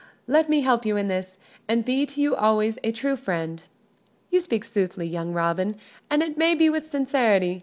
Let me help you in this, and be to you always a true friend." "You speak soothly, young Robin, and it may be with sincerity.